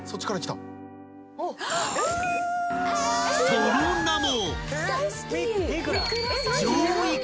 ［その名も］